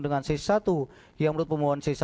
dengan cc satu yang menurut pemohon c satu